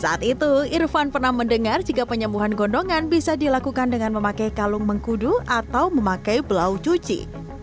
saat itu irfan pernah mendengar jika penyembuhan gondongan bisa dilakukan dengan memakai kalung mengkudu atau memakai belau cuci